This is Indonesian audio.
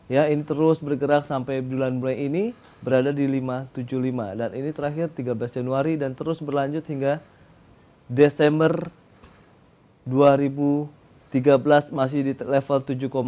ya ini terus bergerak sampai bulan bulan ini berada di lima ratus tujuh puluh lima dan ini terakhir tiga belas januari dan terus berlanjut hingga desember dua ribu tiga belas masih di level tujuh dua